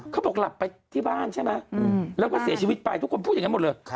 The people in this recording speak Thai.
เขาบอกหลับไปที่บ้านใช่ไหมแล้วก็เสียชีวิตไปทุกคนพูดอย่างนั้นหมดเลย